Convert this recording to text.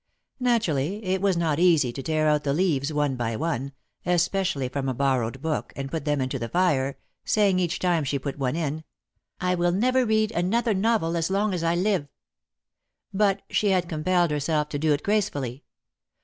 Naturally, it was not easy to tear out the leaves one by one, especially from a borrowed book, and put them into the fire, saying, each time she put one in: "I will never read another novel as long as I live," but she had compelled herself to do it gracefully.